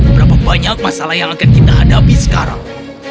berapa banyak masalah yang akan kita hadapi sekarang